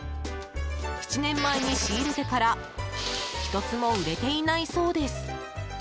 ７年前に仕入れてから１つも売れていないそうです。